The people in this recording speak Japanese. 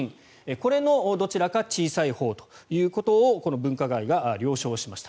これのどちらか小さいほうということをこの分科会が了承しました。